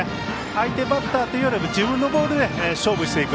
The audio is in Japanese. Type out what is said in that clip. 相手バッターっていうよりは自分のボールで勝負していく。